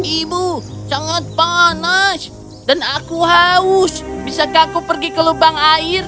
ibu sangat panas dan aku haus bisakah aku pergi ke lubang air